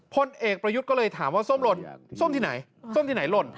พลเอกประยุทธ์ก็เลยถามว่าส้มหล่นส้มที่ไหนส้มที่ไหนหล่น